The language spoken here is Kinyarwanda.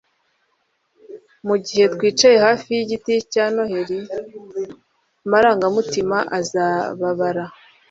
mugihe twicaye hafi yigiti cya noheri, amarangamutima azababara